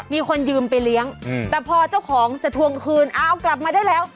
มีคนยืมไปเลี้ยงแต่พอเจ้าของจะทวงคืนเอากลับมาได้แล้ว